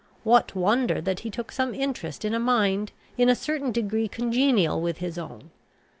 What wonder that he took some interest in a mind in a certain degree congenial with his own?